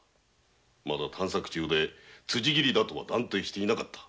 まだ探索中でつじ切りだとは断定していなかった。